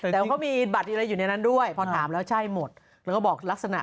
แต่ว่าเขามีบัตรอะไรอยู่ในนั้นด้วยพอถามแล้วใช่หมดแล้วก็บอกลักษณะ